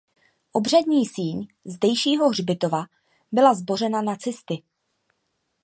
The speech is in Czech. Obřadní síň zdejšího hřbitova byla zbořena nacisty.